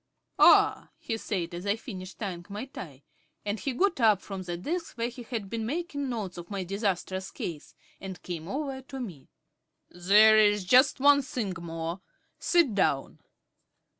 "Ah," he said, as I finished tying my tie; and he got up from the desk where he had been making notes of my disastrous case, and came over to me. "There is just one thing more. Sit down."